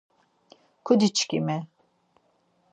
Kudi-şǩimi!